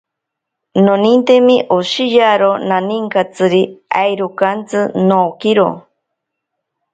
Nonintemi oshiyaro naninkatsiri, airo okantsi nookiro.